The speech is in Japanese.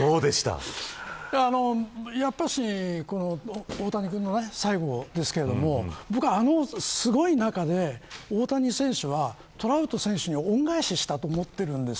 やっぱり、大谷君の最後ですがあのすごい舞台の中で大谷選手はトラウト選手に恩返ししたと思っているんです。